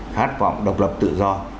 khát vọng độc lập tự do